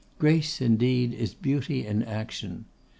Grace, indeed, is beauty in action.